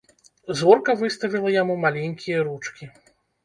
Зорка выставіла яму маленькія ручкі.